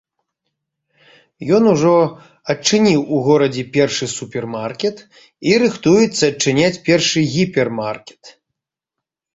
Ён ужо адчыніў у горадзе першы супермаркет і рыхтуецца адчыняць першы гіпермаркет.